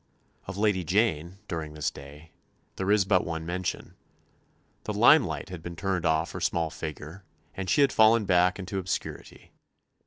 Of Lady Jane, during this day, there is but one mention. The limelight had been turned off her small figure, and she had fallen back into obscurity.